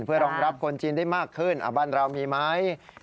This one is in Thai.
เพื่อรองรับคนจีนได้มากขึ้นบ้านเรามีไหม